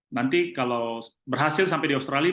nanti kalau berhasil sampai di australia